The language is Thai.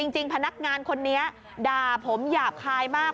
พนักงานคนนี้ด่าผมหยาบคายมาก